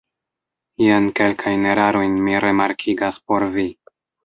Jen kelkajn erarojn mi remarkigas por vi.